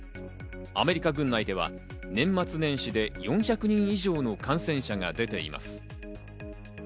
アメリカ軍内では年末年始で４００人以上の感染者が出ています。